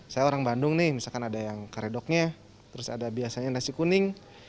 saya orang bandung nih misalkan ada yang karedoknya terus ada biasanya nasi kuning